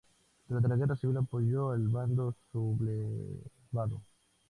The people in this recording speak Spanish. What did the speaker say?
Durante la Guerra Civil apoyó al bando sublevado.